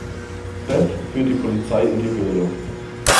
Beth führt die Polizei in die Höhle.